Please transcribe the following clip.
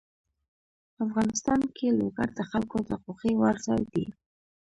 افغانستان کې لوگر د خلکو د خوښې وړ ځای دی.